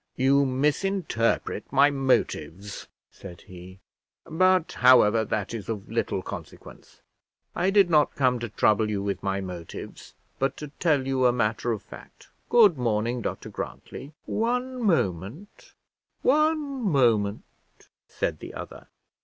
"You misinterpret my motives," said he; "but, however, that is of little consequence. I did not come to trouble you with my motives, but to tell you a matter of fact. Good morning, Dr Grantly." "One moment, one moment," said the other.